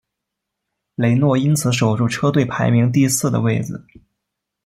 雷诺因此守住车队排名第四的位子。